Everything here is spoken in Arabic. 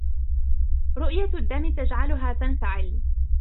رؤية الدم جعلها تنفعل.